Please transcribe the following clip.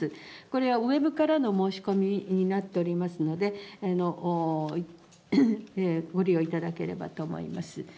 これはウェブからの申し込みになっておりますので、ご利用いただければと思います。